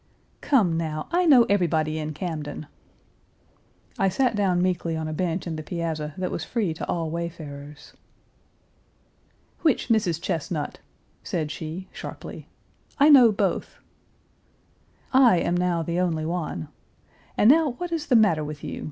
"Come, now, I know everybody in Camden." I sat down meekly on a bench in the piazza, that was free to all wayfarers. "Which Mrs. Chesnut?" said she (sharply). "I know both." "I am now the only one. And now what is the matter with you?